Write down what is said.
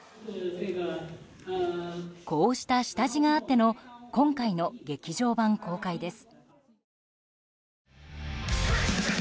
こうした下地があっての今回の劇場版公開です。